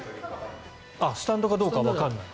あ、スタンドかどうかはわからない。